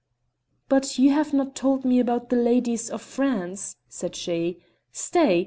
"But you have not told me about the ladies of France," said she. "Stay!